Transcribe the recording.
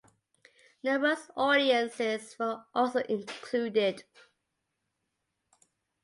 Numerous audiences were also included.